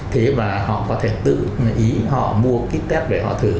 thế mà họ có thể tự ý họ mua kit test để họ thử